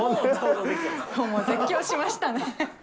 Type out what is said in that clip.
絶叫しましたね。